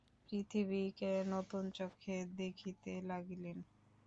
পৃথিবীকে নূতন চক্ষে দেখিতে লাগিলেন।